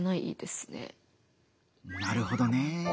なるほどね。